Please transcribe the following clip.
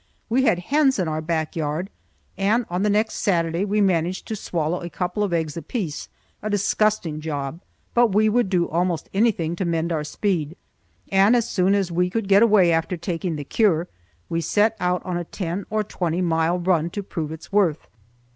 We had hens in our back yard, and on the next Saturday we managed to swallow a couple of eggs apiece, a disgusting job, but we would do almost anything to mend our speed, and as soon as we could get away after taking the cure we set out on a ten or twenty mile run to prove its worth.